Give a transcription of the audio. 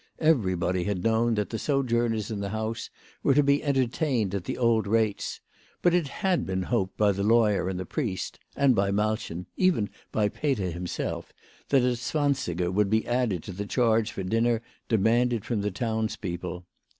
Everybody had known that the sojourners in the house were to be entertained at the old rates; but it had been hoped by the lawyer and the priest, and by Malchen, even by Peter himself that a zwan siger would be added to the charge for dinner demanded from the townspeople.